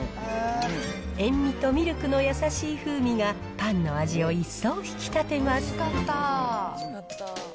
塩味とミルクの優しい風味が、パンの味を一層引き立てます。